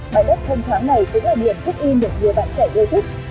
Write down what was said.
bãi đất thân thoáng này cũng là điểm trích yên được nhiều bạn trẻ gây thức